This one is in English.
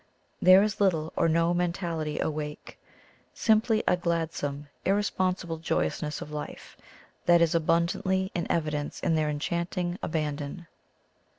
There is little or no mentality awake — simply a gladsome, ir responsible joyousness of life that is abun dantly in evidence in their enchanting aban don.